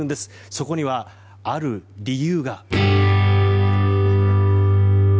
そこには、ある理由が。